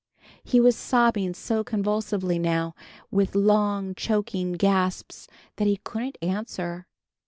He was sobbing so convulsively now, with long choking gasps, that he couldn't answer.